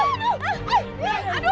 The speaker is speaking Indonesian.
aduh apaan lu